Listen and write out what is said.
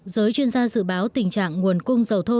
giới chuyên gia dự báo tình trạng nguồn cung dầu thô